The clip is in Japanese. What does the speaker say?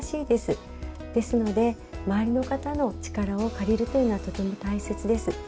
ですので周りの方の力を借りるというのはとても大切です。